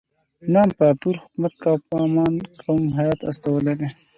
نه امپراطور حکومت نه کوفمان کوم هیات استولی دی.